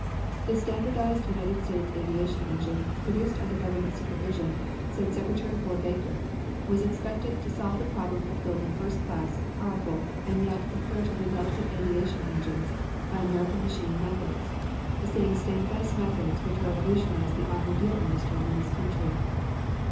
The standardized United States aviation engine, produced under government supervision, said Secretary of War Baker, was expected "to solve the problem of building first class, powerful and yet comparatively delicate aviation engines by American machine methods the same standardized methods which revolutionized the automobile industry in this country."